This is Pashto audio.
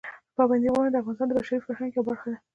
پابندي غرونه د افغانستان د بشري فرهنګ یوه برخه ده.